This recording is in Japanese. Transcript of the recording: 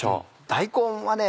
大根はね